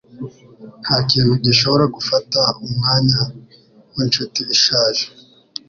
Ntakintu gishobora gufata umwanya winshuti ishaje